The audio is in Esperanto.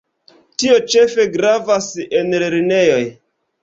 Tio ĉefe gravas en lernejoj.